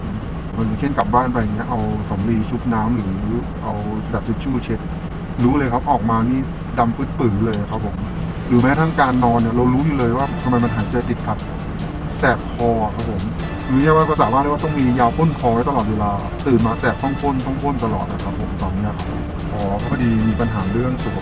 มีความรู้สึกว่ามีความรู้สึกว่ามีความรู้สึกว่ามีความรู้สึกว่ามีความรู้สึกว่ามีความรู้สึกว่ามีความรู้สึกว่ามีความรู้สึกว่ามีความรู้สึกว่ามีความรู้สึกว่ามีความรู้สึกว่ามีความรู้สึกว่ามีความรู้สึกว่ามีความรู้สึกว่ามีความรู้สึกว่ามีความรู้สึกว